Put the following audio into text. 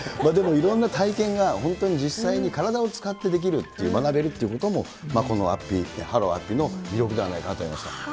いろんな体験が、本当に実際に体を使ってできるっていう、学べるっていうことも、この安比、ハロウ安比の魅力ではないかなと思いました。